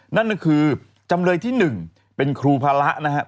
นั่นคือจำเลยที่๑เป็นครูพระนะครับ